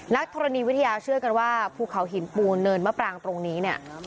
ธรณีวิทยาเชื่อกันว่าภูเขาหินปูนเนินมะปรางตรงนี้เนี่ย